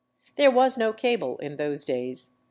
There was no cable in those days.